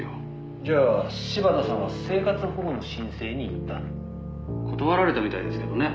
「じゃあ柴田さんは生活保護の申請に行った」「断られたみたいですけどね」